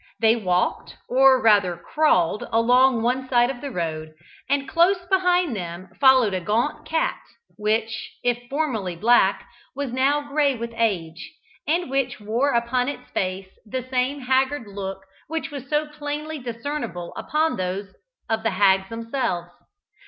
They walked, or rather crawled, along one side of the road, and close behind them followed a gaunt cat, which, if formerly black, was now gray with age, and which wore upon its face the same haggard look which was so plainly discernible upon those of the hags themselves.